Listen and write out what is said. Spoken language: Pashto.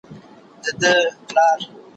ما چي ول بالا به ته ملامت يې باره احمد ملامت و